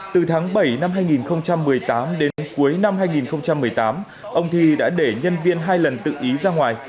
từ tháng bảy năm hai nghìn một mươi tám đến cuối năm hai nghìn một mươi tám ông thi đã để nhân viên hai lần tự ý ra ngoài